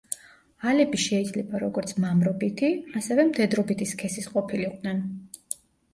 ალები შეიძლება როგორც მამრობითი, ასევე მდედრობითი სქესის ყოფილიყვნენ.